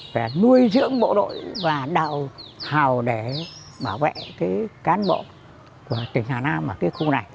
về nuôi dưỡng bộ đội và đào hào để bảo vệ cái cán bộ của tỉnh hà nam ở cái khu này